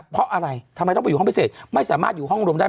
เพราะอะไรทำไมต้องไปอยู่ห้องพิเศษไม่สามารถอยู่ห้องรวมได้